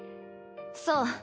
そう。